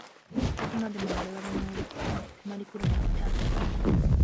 何処までも我々に迫り来るものである。